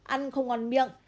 ăn không ngon miệng